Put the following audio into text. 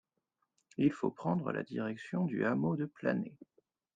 Il faut prendre la direction du hameau du Planay.